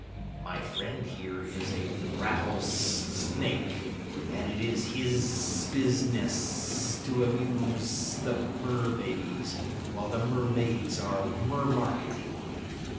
My friend, here, is a Rattlesnake, and it is his business to amuse the Mer babies while the Mermaids are mer marketing.